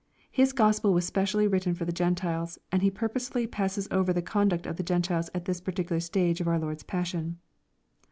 Hia Gospel was specially written for the Gentiles, and he purposely passes over the conduct of the Gentiles at this particular stage of our Lord's passion.